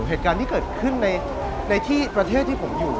เหตุการณ์ที่เกิดขึ้นในที่ประเทศที่ผมอยู่